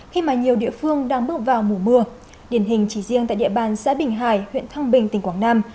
khi mà nhiều địa phương đang bước vào mùa mưa điển hình chỉ riêng tại địa bàn xã bình hải huyện thăng bình tỉnh quảng nam